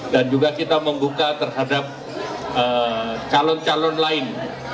dan juga kita membuka terhadap calon calon lain